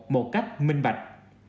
một cách minh bạch